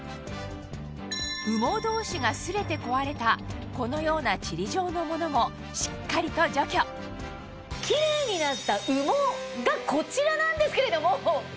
羽毛同士が擦れて壊れたこのようなちり状のものもしっかりと除去キレイになった羽毛がこちらなんですけれども。